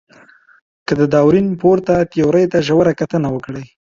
که د داروېن پورته تیوري ته ژوره کتنه وکړئ.